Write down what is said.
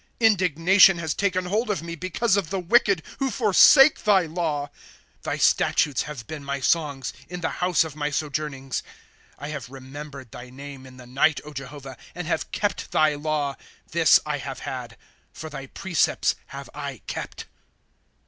^* Indignation has taken hold of mc because of the wicked, Who forsake thy Jaw. ^* Thy statutes have been my songs, In the house of my sojournings. ^^ I have remembered thy name in the night, O Jehovah, And have kept thy law. '^ This I have had, For thy precepts have I kept.